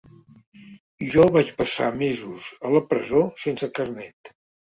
I jo vaig passar mesos a la presó sense carnet.